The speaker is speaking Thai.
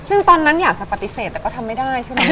ซึ่งตอนนั้นอยากจะปฏิเสธแต่ก็ทำไม่ได้